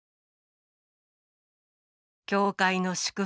「教会の祝福